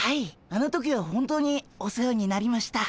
あの時は本当にお世話になりました。